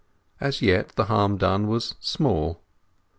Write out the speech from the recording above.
As yet the harm done was small.